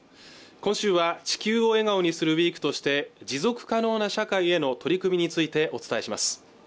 今週は「地球を笑顔にするＷＥＥＫ」として持続可能な社会への取り組みについてお伝えします